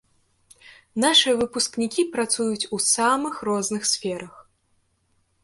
Нашыя выпускнікі працуюць у самых розных сферах.